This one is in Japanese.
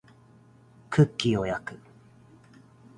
クッキーを焼く